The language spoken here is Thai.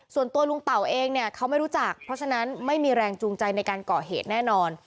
ส่วนตัวลุงเต่าเองเนี่ยเขาไม่รู้จักเพราะฉะนั้นไม่มีแรงจูงใจในการก่อเหตุแน่นอน